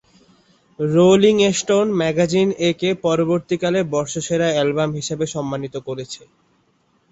Rolling Stone magazine একে পরবর্তীকালে বর্ষসেরা অ্যালবাম হিসেবে সম্মানিত করেছে।